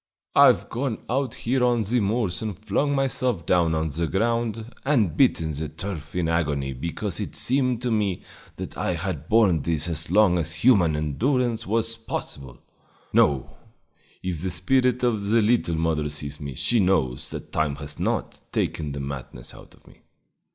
I've gone out here on the moors and flung myself down on the ground and bitten the turf in agony because it seemed to me that I had borne this as long as human endurance was possible! No; if the spirit of the little mother sees me, she knows that time has not taken the madness out of me!"